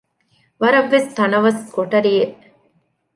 ވަރަށްވެސް ތަނަވަސް ކޮޓަރިއެއް